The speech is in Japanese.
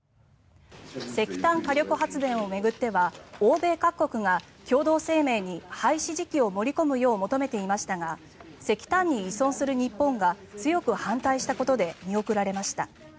石炭火力発電を巡っては欧米各国が共同声明に廃止時期を盛り込むよう求めていましたが石炭に依存する日本が強く反対したことで見送られました。